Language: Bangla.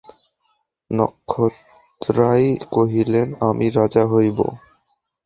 নক্ষত্ররায় কহিলেন, আমি রাজা হইব?